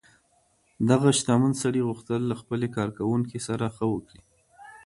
دغه شتمن سړي غوښتل له خپلې کارکوونکې سره ښه وکړي.